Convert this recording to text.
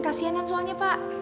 kasianan soalnya pak